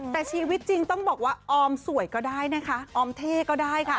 แต่ชีวิตจริงต้องบอกว่าออมสวยก็ได้นะคะออมเท่ก็ได้ค่ะ